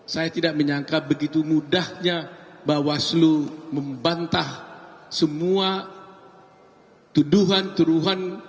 saya tidak menyangka begitu mudahnya bawaslu membantah semua tuduhan tuduhan